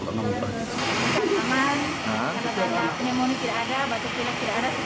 aman anemoni tidak ada batuk tidak ada setak tidak ada manis juga tidak ada